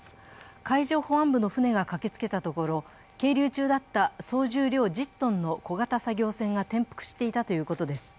海上保安部の船が駆けつけたところ、係留中だった総重量１０ｔの小型作業船が転覆していたということです。